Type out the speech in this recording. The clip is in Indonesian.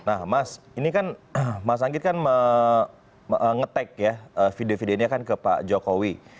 nah mas ini kan mas anggit kan mengetek ya video videonya kan ke pak jokowi